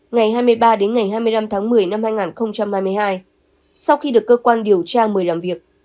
ngày hai mươi ba đến ngày hai mươi năm tháng một mươi năm hai nghìn hai mươi hai sau khi được cơ quan điều tra mời làm việc